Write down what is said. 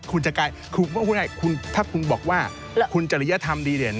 คุณจะกลายถ้าคุณบอกว่าคุณจะลิยธรรมดีเหรียญ